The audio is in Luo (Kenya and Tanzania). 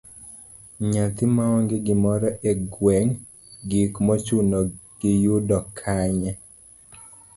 Nyathi maonge gimoro e gweng, gik mochuno gi oyudo kanye?